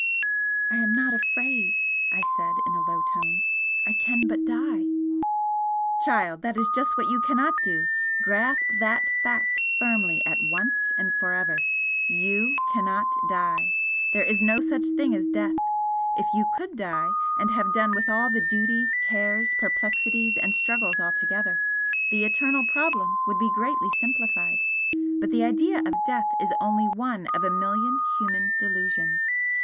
"I am not afraid!" I said, in a low tone "I can but die!" "Child, that is just what you cannot do! Grasp that fact firmly at once and for ever! You cannot die, there is no such thing as death! If you could die and have done with all duties, cares, perplexities and struggles altogether, the eternal problem would be greatly simplified. But the idea of death is only one of a million human delusions.